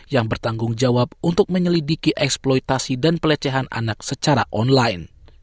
yang bertanggung jawab untuk menyelidiki eksploitasi dan pelecehan anak secara online